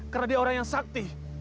karena dia orang yang sakti